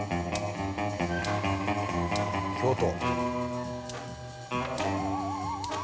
京都。